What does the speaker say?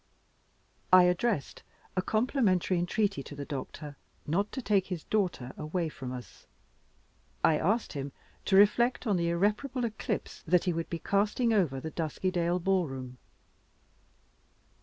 I addressed a complimentary entreaty to the doctor not to take his daughter away from us. I asked him to reflect on the irreparable eclipse that he would be casting over the Duskydale ballroom.